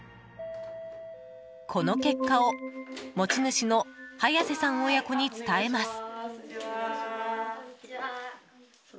この結果を持ち主の早瀬さん親子に伝えます。